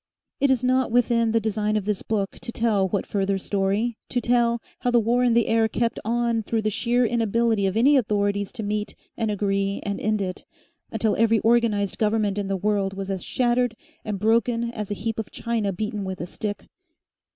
It is not within the design of this book to tell what further story, to tell how the War in the Air kept on through the sheer inability of any authorities to meet and agree and end it, until every organised government in the world was as shattered and broken as a heap of china beaten with a stick.